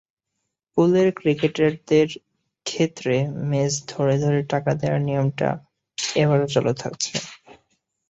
পুলের ক্রিকেটারদের ক্ষেত্রে ম্যাচ ধরে ধরে টাকা দেওয়ার নিয়মটা এবারও চালু থাকছে।